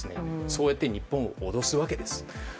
そうやって日本を脅すわけです。